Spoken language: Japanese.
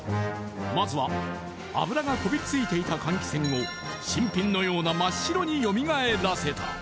まずは油がこびりついていた換気扇を新品のような真っ白によみがえらせた。